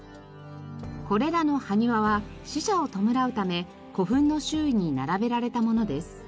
これらの埴輪は死者を弔うため古墳の周囲に並べられたものです。